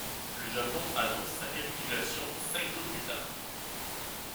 Le Japon annonce sa capitulation cinq jours plus tard.